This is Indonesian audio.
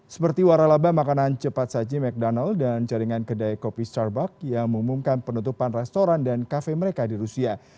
seperti warah laba makanan cepat saji mcdonald's dan jaringan kedai kopi starbucks yang mengumumkan penutupan restoran dan kafe mereka di rusia